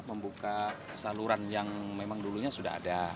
membuka saluran yang memang dulunya sudah ada